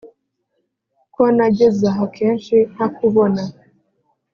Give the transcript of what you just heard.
ko nagezaha kenshi ntakubona